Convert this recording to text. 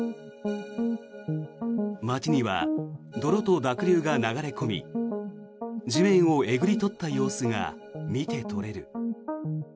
街には泥と濁流が流れ込み地面をえぐり取った様子が見て取れる。